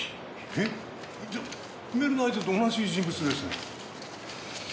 じゃあメールの相手と同じ人物ですね。